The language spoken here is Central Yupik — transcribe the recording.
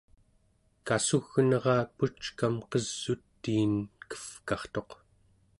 kassugnera puckam qes'utiin kevkartuq